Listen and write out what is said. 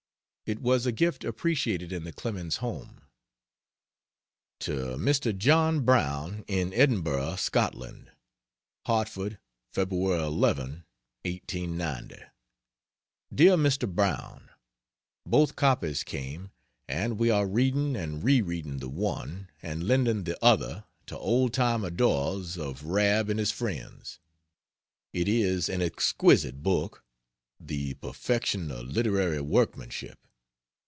It was a gift appreciated in the Clemens home. To Mr. John Brown, in Edinburgh, Scotland: HARTFORD, Feby 11, 1890. DEAR MR. BROWN, Both copies came, and we are reading and re reading the one, and lending the other, to old time adorers of "Rab and his Friends." It is an exquisite book; the perfection of literary workmanship.